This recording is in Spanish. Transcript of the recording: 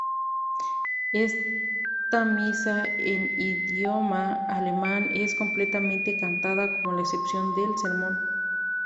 Esta misa en idioma alemán, es completamente cantada con la excepción del sermón.